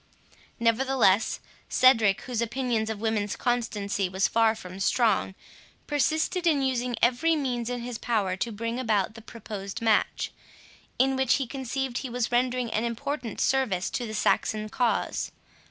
Nevertheless, Cedric, whose opinions of women's constancy was far from strong, persisted in using every means in his power to bring about the proposed match, in which he conceived he was rendering an important service to the Saxon cause.